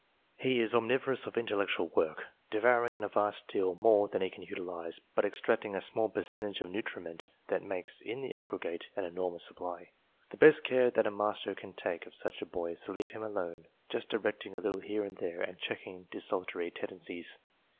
He is omnivorous of intellectual work, devouring a vast deal more^ than he can irfrjlize. but ex tracting a small percentage of nutriment, that makes, in the aggregate, an enormous supply. The best care that a master can take of such a boy is to leave him alone, just directing a little here and there, and checking desultory tendencies.